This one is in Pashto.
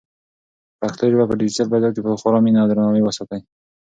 پښتو ژبه په ډیجیټل فضا کې په خورا مینه او درناوي وساتئ.